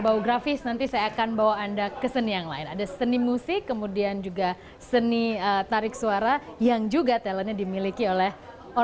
youtube cnn indonesia dalam setahun terakhir